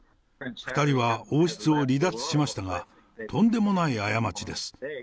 ２人は王室を離脱しましたが、とんでもない過ちです。